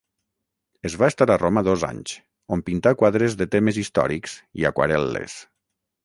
Es va estar a Roma dos anys, on pintà quadres de temes històrics i aquarel·les.